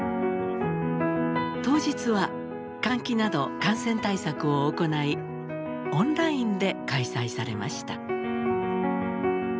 当日は換気など感染対策を行いオンラインで開催されました。